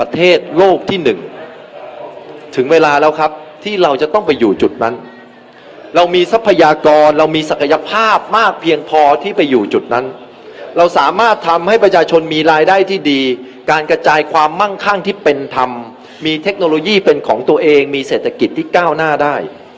ถึงเวลาแล้วครับที่เราจะต้องไปอยู่จุดนั้นเรามีทรัพยากรเรามีศักยภาพมากเพียงพอที่ไปอยู่จุดนั้นเราสามารถทำให้ประชาชนมีรายได้ที่ดีการกระจายความมั่งคั่งที่เป็นธรรมมีเทคโนโลยีเป็นของตัวเองมีเศรษฐกิจที่ก้าวหน้าได้